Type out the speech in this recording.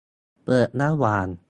เปิดระหว่าง